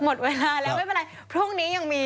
หมดเวลาแล้วไม่เป็นไรพรุ่งนี้ยังมี